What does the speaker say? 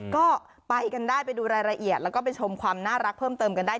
ก็ไปกันได้ไปดูรายละเอียดแล้วก็ไปชมความน่ารักเพิ่มเติมกันได้